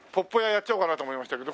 やっちゃおうかなと思いましたけど。